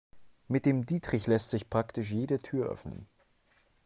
Mit dem Dietrich lässt sich praktisch jede Tür öffnen.